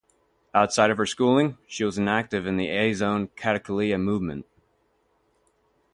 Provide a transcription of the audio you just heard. Outside of her schooling she was active in the Azione Cattolica movement.